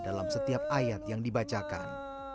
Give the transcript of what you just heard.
dalam setiap ayat yang dibacakan